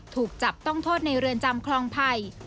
ถูกจับต้องโทษในเรือนจำคลองไผ่